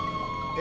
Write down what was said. え？